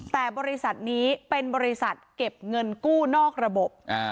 แต่บริษัทนี้เป็นบริษัทเก็บเงินกู้นอกระบบ